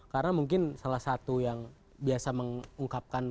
karena mungkin salah satu yang biasa mengungkapkan berbagai kritik adalah saat itu